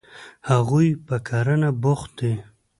هغوی په کرنه بوخت دي.